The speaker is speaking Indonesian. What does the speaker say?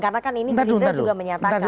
karena kan ini gerindra juga menyatakan